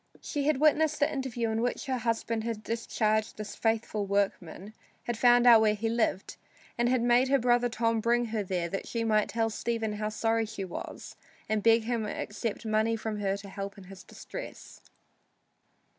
She had witnessed the interview in which her husband had discharged this faithful workman, had found out where he lived, and had made her brother Tom bring her there that she might tell Stephen how sorry she was and beg him to accept money from her to help him in his distress.